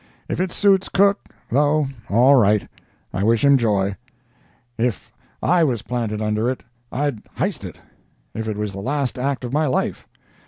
If it suits Cook, though, all right; I wish him joy; but if I was planted under it I'd highst it, if it was the last act of my life.